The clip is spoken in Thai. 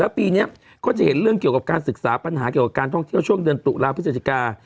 ปีนี้ก็จะเห็นเรื่องเกี่ยวกับการศึกษาปัญหาเกี่ยวกับการท่องเที่ยวช่วงเดือนตุลาพฤศจิกา